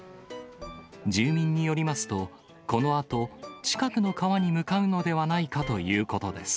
住民によりますと、このあと、近くの川に向かうのではないかということです。